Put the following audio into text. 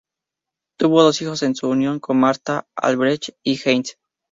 Tuvo dos hijos de su unión con Martha, Albrecht y Heinz.